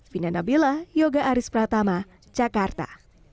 fina nabila yoga aris pratama jakarta